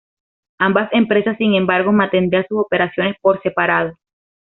Ambas empresas, sin embargo, mantendrían sus operaciones por separado.